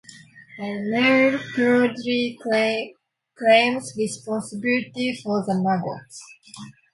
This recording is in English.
And Neil proudly claims responsibility for the maggots.